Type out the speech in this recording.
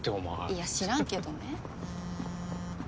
いや知らんけどね。